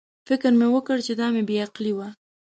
فکر مې وکړ چې دا مې بې عقلي وه.